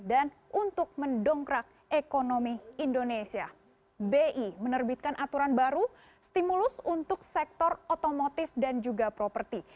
dan untuk mendongkrak ekonomi indonesia bi menerbitkan aturan baru stimulus untuk sektor otomotif dan juga properti